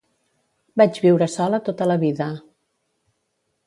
Vaig viure sola tota la vida.